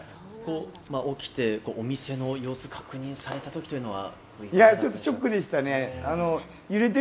起きてお店の様子を確認されたときは？